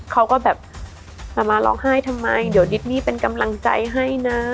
เขาก็แบบจะมาร้องไห้ทำไมเดี๋ยวดิดนี่เป็นกำลังใจให้นะ